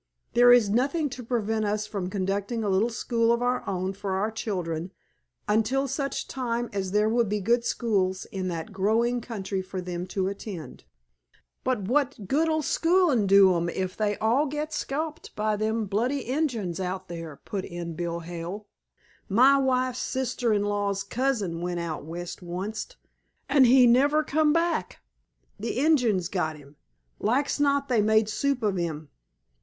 There is nothing to prevent us from conducting a little school of our own for our children until such time as there will be good schools in that growing country for them to attend." "But what good'll schoolin' do 'em if they was all to get skulped by them bloody Injuns out there?" put in Bill Hale. "My wife's sister in law's cousin went out west onct, an' he never come back. The Injuns got him. Like's not they made soup of him.